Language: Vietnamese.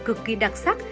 cực kỳ đặc sắc